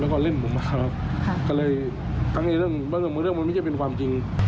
ก็เลยทั้งในเรื่องมันไม่ใช่เป็นความจริง